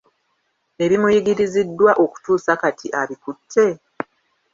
Ebimuyigiriziddwa okutuusa kati abikutte?